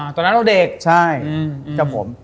ตอนนั้นเราเด็กใช่ครับผม